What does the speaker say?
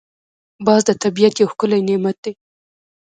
باز د طبیعت یو ښکلی نعمت دی